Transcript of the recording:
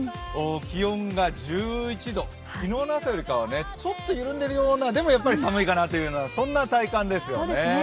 気温が１１度、昨日の朝よりかはちょっと緩んでいるようなでもやっぱり寒いかなというような、そんな体感ですよね。